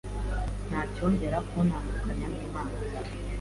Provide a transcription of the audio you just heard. ntacyakongera kuntandukanya n’Imana